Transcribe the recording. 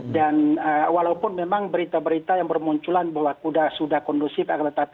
dan walaupun memang berita berita yang bermunculan bahwa sudah kondusif